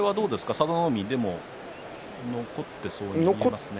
佐田の海残っていそうに見えますね。